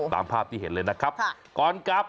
ตามภาพที่เห็นเลยนะครับ